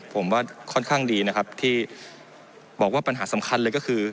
ผมว่าค่อนข้างดีนะครับที่บอกว่าปัญหาสำคัญเลยก็คือ